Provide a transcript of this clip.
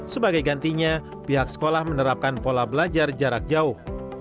sebagai gantinya pihak sekolah menerapkan pola belajar jarak jauh